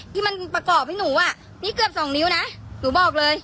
ที่มันประกอบให้หนูอ่ะนี่เกือบสองนิ้วนะหนูบอกเลย